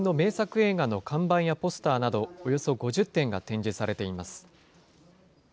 映画の看板やポスターなど、およそ５０点が展示されています。